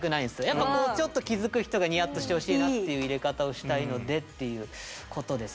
やっぱこうちょっと気付く人がニヤッとしてほしいなっていう入れ方をしたいのでっていうことですね。